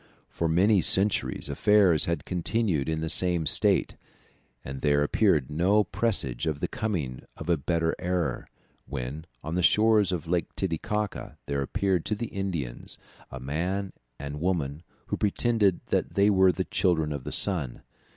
For many centuries affairs had continued in the same state, and there appeared no presage of the coming of a better era, when, on the shores of Lake Titicaca, there appeared to the Indians a man and woman, who pretended that they were the Children of the Sun.